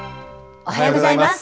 おはようございます。